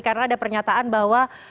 karena ada pernyataan bahwa